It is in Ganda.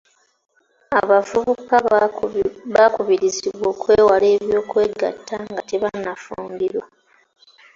Abavubuka bakubirizibwa okwewala eby'okwegatta nga tebannafumbirwa.